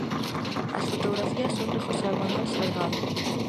As fotografías son de José Manuel Salgado.